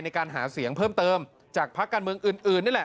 ในการหาเสียงเพิ่มเติมจากพักการเมืองอื่นนี่แหละ